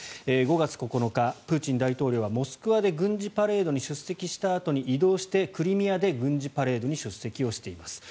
５月９日、プーチン大統領はモスクワで軍事パレードに出席したあとに移動して、クリミアで軍事パレードに出席しています。